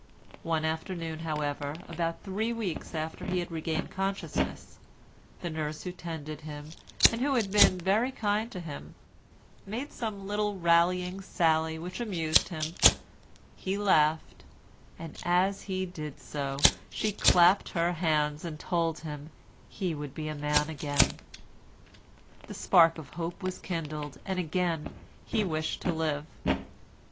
One afternoon, however, about three weeks after he had regained consciousness, the nurse who tended him, and who had been very kind to him, made some little rallying sally which amused him; he laughed, and as he did so, she clapped her hands and told him he would be a man again. The spark of hope was kindled, and again he wished to live.